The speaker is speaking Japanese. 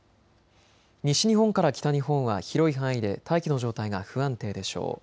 西日本から北日本は広い範囲で大気の状態が不安定でしょう。